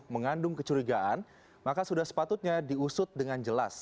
mengandung kecurigaan maka sudah sepatutnya diusut dengan jelas